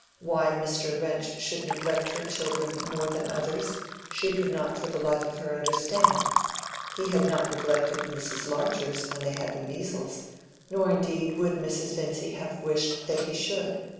Why Mr. Wrench should neglect her children more than others, she could not for the life of her understand. He had not neglected Mrs. Larcher's when they had the measles, nor indeed would Mrs. Vincy have wished that he should.